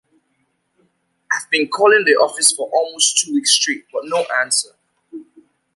I've been calling the office for almost two weeks straight, but no answer.